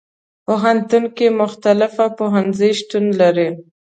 پوهنتون کې مختلف پوهنځي شتون لري.